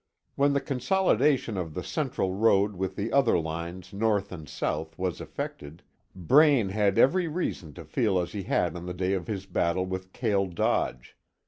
When the consolidation of the Central road with the other lines north and south, was effected, Braine had every reason to feel as he had on the day of his battle with Cale Dodge.